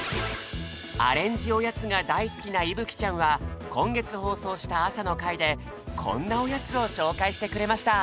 アレンジおやつが大好きないぶきちゃんはこんげつ放送した朝の会でこんなおやつをしょうかいしてくれました